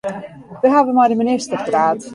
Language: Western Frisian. Wy hawwe mei de minister praat.